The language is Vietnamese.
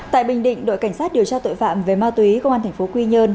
tại bình định đội cảnh sát điều tra tội phạm về ma túy công an tp quy nhơn